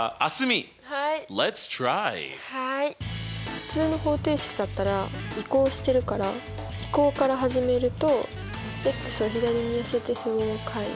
普通の方程式だったら移項してるから移項から始めるとを左に寄せて符号を変える。